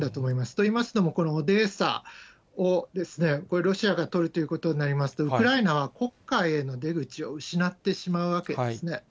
といいますのも、このオデーサをですね、ロシアが取るということになりますと、ウクライナは黒海への出口を失ってしまうわけですね。